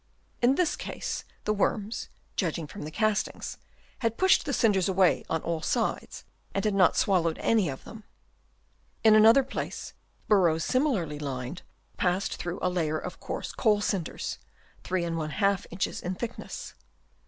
In this case the worms, judging from the castings, had pushed the cinders away on all sides and had not swallowed any of them. In another place, burrows similarly lined, passed through a layer of coarse coal cinders, 3^ inches in thickness.